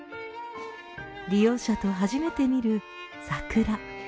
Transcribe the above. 利用者と初めて見る桜。